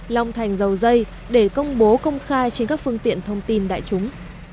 long thành dầu dây để công bố công khai trên các phương tiện thông tin đại chúng